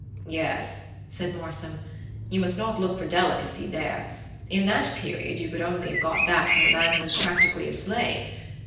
"Yes," said Morsom, "you must not look for delicacy there: in that period you could only have got that from a man who was practically a slave.